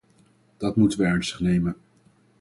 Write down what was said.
Dat moeten we ernstig nemen.